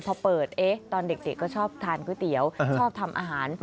พอเปิดตอนเด็กก็ชอบทานก๋วยเตี๋ยวชอบทำอาหาร